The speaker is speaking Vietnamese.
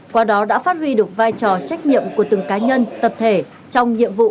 qua đó đã phát huy được vai trò trách nhiệm của từng cá nhân tập thể trong nhiệm vụ